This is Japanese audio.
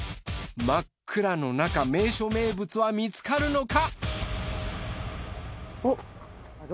真っ暗のなか名所名物は見つかるのか？